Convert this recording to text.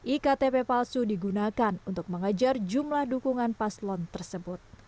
iktp palsu digunakan untuk mengejar jumlah dukungan paslon tersebut